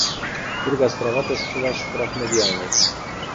Druga sprawa to sprzedaż praw medialnych